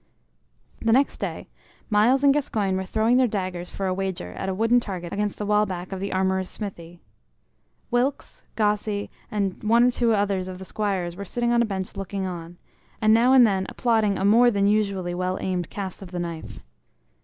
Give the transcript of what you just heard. The next day Myles and Gascoyne were throwing their daggers for a wager at a wooden target against the wall back of the armorer's smithy. Wilkes, Gosse, and one or two others of the squires were sitting on a bench looking on, and now and then applauding a more than usually well aimed cast of the knife.